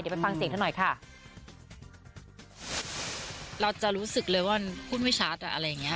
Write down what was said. เดี๋ยวไปฟังเสียงเธอหน่อยค่ะเราจะรู้สึกเลยว่ามันพูดไม่ชัดอ่ะอะไรอย่างเงี้